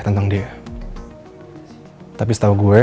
saya akan memberikan teman teman mengerti